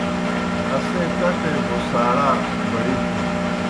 اسے کڇے بُھساڑا بڑِتُھن۔